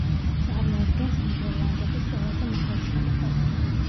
წარმოადგენს ნიდერლანდების ყველაზე მაღალ შენობას.